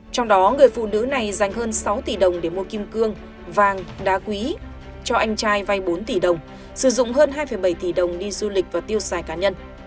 trong đó người phụ nữ này giành hơn sáu tỷ đồng để mua kim cương vàng đá quý cho anh trai vay bốn tỷ đồng sử dụng hơn hai bảy tỷ đồng đi du lịch và tiêu xài cá nhân